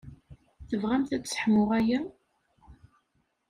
Tebɣamt ad sseḥmuɣ aya?